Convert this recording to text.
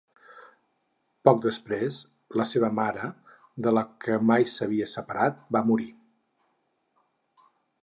Poc després, la seva mare, de la que mai s’havia separat, va morir.